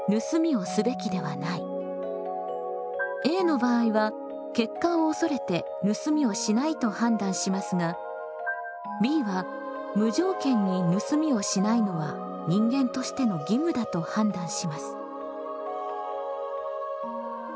Ａの場合は結果を恐れて盗みをしないと判断しますがＢは無条件に盗みをしないのは人間としての義務だと判断します。